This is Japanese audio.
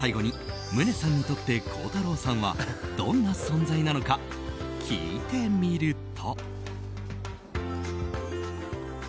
最後に宗さんにとって孝太郎さんはどんな存在なのか聞いてみると。